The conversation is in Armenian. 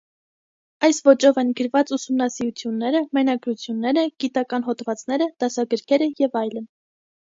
Այս ոճով են գրված ուսումնասիրությունները, մենագրությունները, գիտական հոդվածները, դասագրքերը և այլն։